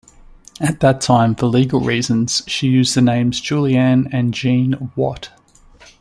At that time, for legal reasons, she used the names Juliann and Jean Watt.